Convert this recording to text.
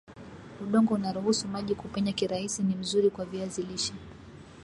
udongo unaruhusu maji kupenya kirahisi ni mzuri kwa viazi lishe